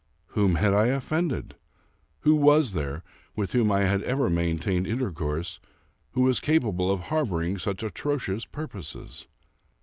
Whom had I offended? Who was there, with whom I had ever maintained intercourse, who was capable of harboring such atrocious purposes